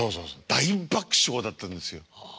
大爆笑だったんですよ。